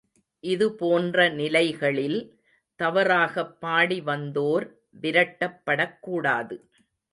இதுபோன்ற நிலைகளில், தவறாகப் பாடி வந்தோர் விரட்டப்படக்கூடாது.